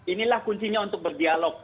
inilah kuncinya untuk berdialog